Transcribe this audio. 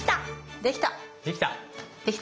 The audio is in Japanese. できた！